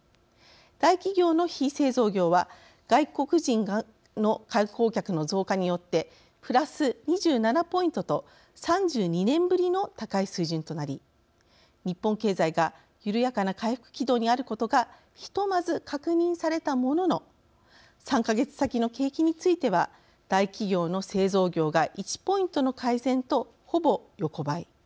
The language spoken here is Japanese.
大企業の非製造業は外国人の観光客の増加によって＋２７ポイントと３２年ぶりの高い水準となり日本経済が緩やかな回復軌道にあることがひとまず確認されたものの３か月先の景気については大企業の製造業が１ポイントの改善とほぼ横ばい。